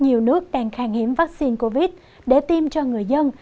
nhiều nước đang khang hiếm vắc xin covid để tiêm cho người dân